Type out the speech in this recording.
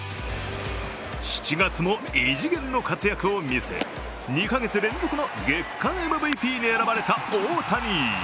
７月も異次元の活躍を見せ、２か月連続の月間ＭＶＰに選ばれた大谷。